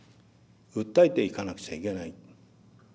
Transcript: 訴えていかなくちゃいけない。